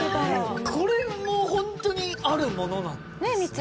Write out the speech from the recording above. これもホントにあるものなんですね？